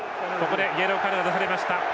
イエローカードが出されました。